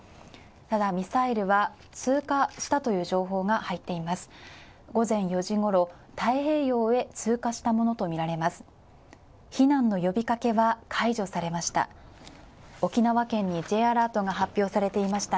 ただミサイルは通過したという情報が入っています。